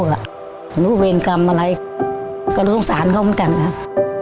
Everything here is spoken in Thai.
มีผู้เวรกรรมอะไรก็รู้สึกสาหรับเขาเหมือนกันครับ